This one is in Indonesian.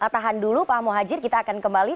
tahan dulu pak muhajir kita akan kembali